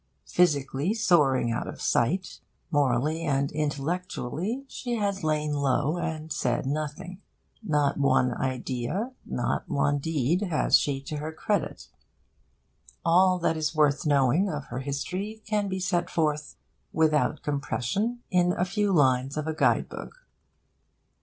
Physically soaring out of sight, morally and intellectually she has lain low and said nothing. Not one idea, not one deed, has she to her credit. All that is worth knowing of her history can be set forth without compression in a few lines of a guide book.